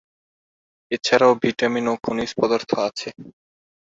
এছাড়াও ভিটামিন ও খনিজ পদার্থ আছে।